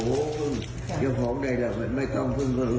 หลวงปู่ท่านจะบอกว่ายังไงเนี่ยเดี๋ยวท่านลองฟังดูนะฮะ